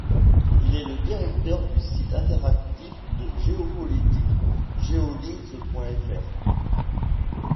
Il est le directeur du site interactif de géopolitique : geolinks.fr.